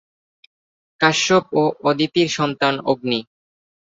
কাশ্যপ ও অদিতির সন্তান অগ্নি।